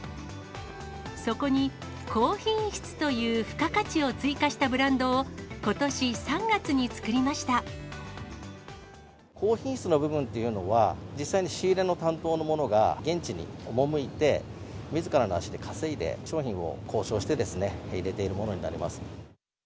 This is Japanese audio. そこに高品質という付加価値を追加したブランドを、ことし３月に高品質の部分っていうのは、実際に仕入れの担当の者が現地に赴いて、みずからの足で稼いで、商品を交渉して入れているものになります。